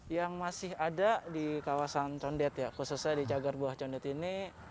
yang masih ada di kawasan condet khususnya di cagarbuah condet ini